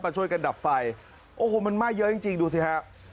ช่วยกันดับไฟโอ้โหมันไหม้เยอะจริงจริงดูสิฮะ